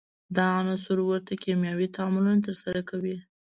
دا عنصرونه ورته کیمیاوي تعاملونه ترسره کوي.